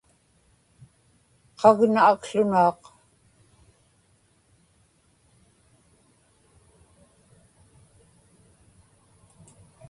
qagna akłunaaq